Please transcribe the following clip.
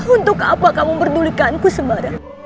untuk apa kamu memperdulikanku sembarang